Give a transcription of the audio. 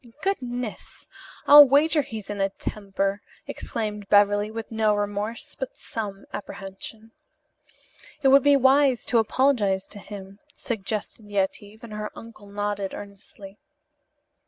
"Goodness, I'll wager he's in a temper!" exclaimed Beverly, with no remorse, but some apprehension. "It would be wisdom to apologize to him," suggested Yetive, and her uncle nodded earnestly.